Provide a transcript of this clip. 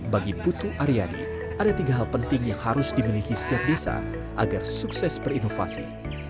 bagi putu aryadi ada tiga hal penting yang harus dimiliki setiap desa agar sukses berinovasi